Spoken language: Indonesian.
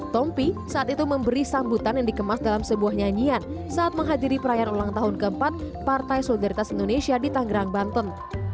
tompi saat itu memberi sambutan yang dikemas dalam sebuah nyanyian saat menghadiri perayaan ulang tahun keempat partai solidaritas indonesia di tanggerang banten